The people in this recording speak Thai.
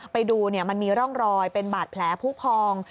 ไปดูมันมีร่องรอยเป็นบาดแผลผู้พอง